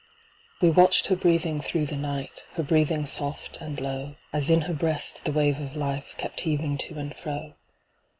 ] We watch'd her breathing through the night. Her breathing soft and low, As in her breast the wave of life Kept heaving to and fro.